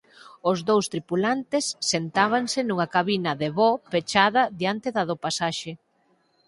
Os dous tripulantes sentábanse nunha cabina de voo pechada diante da do pasaxe.